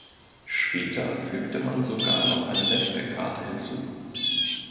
Später fügte man sogar noch eine Netzwerkkarte hinzu.